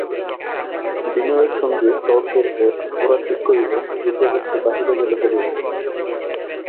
বিনয়ের সঙ্গে তর্কের পর গোরা ঠিক করিল, যুদ্ধক্ষেত্রের বাহিরে গেলে চলিবে না।